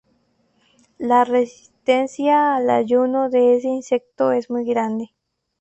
La resistencia al ayuno de este insecto es muy grande.